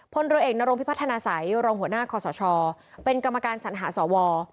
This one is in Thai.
พลเอกนรพิพัทนาสัยเป็นกรรมการสรรหาศว